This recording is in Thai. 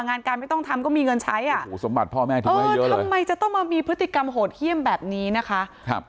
งานการไม่ต้องทำก็มีเงินใช้อ่ะทำไมจะต้องมามีพฤติกรรมโหดเข้มแบบนี้นะคะ